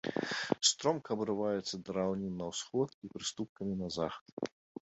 Стромка абрываецца да раўнін на ўсход і прыступкамі на захад.